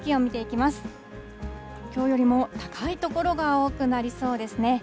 きょうよりも高い所が多くなりそうですね。